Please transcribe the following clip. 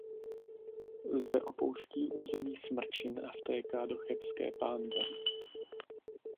Zde opouští území Smrčin a vtéká do Chebské pánve.